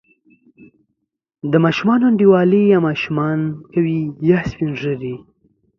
د ماشومانو انډیوالي یا ماشومان کوي، یا سپین ږیري.